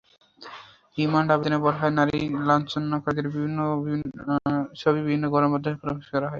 Remand আবেদনে বলা হয়, নারী লাঞ্ছনাকারীদের ছবি বিভিন্ন গণমাধ্যমে প্রকাশ করা হয়।